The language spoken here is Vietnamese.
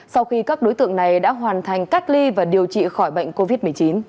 sau khi các đối tượng này đã hoàn thành cách ly và điều trị khỏi bệnh covid một mươi chín